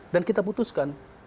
dan kita putuskan